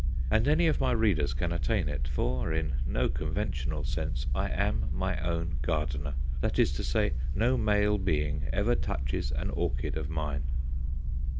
And any of my readers can attain it, for in no conventional sense I am my own gardener; that is to say, no male being ever touches an orchid of mine.